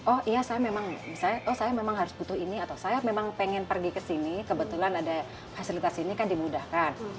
oh iya saya memang misalnya oh saya memang harus butuh ini atau saya memang pengen pergi ke sini kebetulan ada fasilitas ini kan dimudahkan